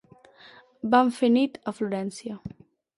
Vam fer nit a Florència.